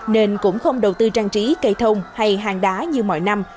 nên cũng không đầu tư trang trí cây thông hay hàng đá như mọi năm